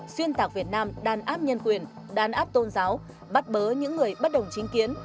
xuyên tạc việt nam đàn áp nhân quyền đàn áp tôn giáo bắt bớ những người bất đồng chính kiến